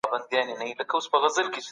هره جمله لنډه ده